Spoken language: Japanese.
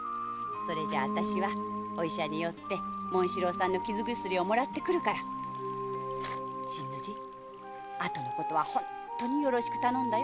私は医者に寄って紋四郎さんの傷薬をもらってくるから新の字あとのことは本当によろしく頼んだよ。